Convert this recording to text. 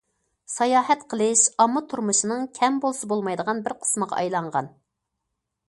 ساياھەت قىلىش ئامما تۇرمۇشىنىڭ كەم بولسا بولمايدىغان بىر قىسمىغا ئايلانغان.